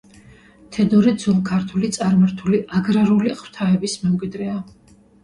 თედორე ძველქართული წარმართული აგრარული ღვთაების მემკვიდრეა.